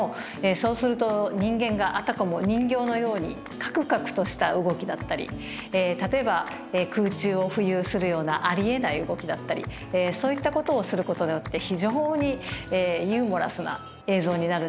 そうすると人間があたかも人形のようにカクカクとした動きだったり例えば空中を浮遊するようなありえない動きだったりそういったことをすることであって非常にユーモラスな映像になるんですね。